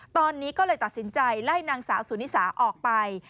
ตอนนี้ก็เลยตัดสินใจไล่นางสาวสุนิสาออกไป